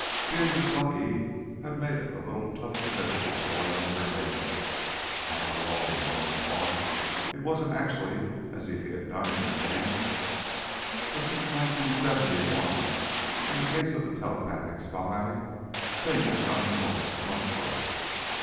Being just lucky had made it a little tough to live with the Boy Wonder label. After all, Malone thought, it wasn't actually as if he'd done anything. But since 1971 and the case of the Telepathic Spy, things had gotten worse. Much worse.